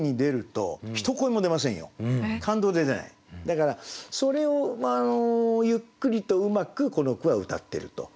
だからそれをゆっくりとうまくこの句はうたってると。